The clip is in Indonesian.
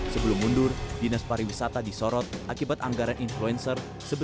sebelum mundur dinas pariwisata disorot akibat anggaran influencer